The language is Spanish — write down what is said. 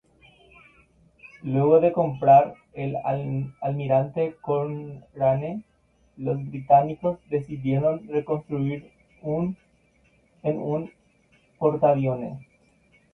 Luego de comprar el "Almirante Cochrane", los británicos decidieron reconstruirlo en un portaviones.